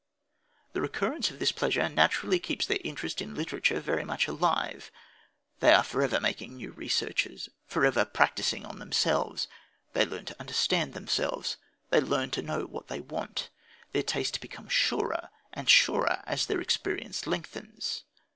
The recurrence of this pleasure naturally keeps their interest in literature very much alive. They are for ever making new researches, for ever practising on themselves. They learn to understand themselves. They learn to know what they want. Their taste becomes surer and surer as their experience lengthens.